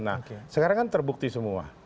nah sekarang kan terbukti semua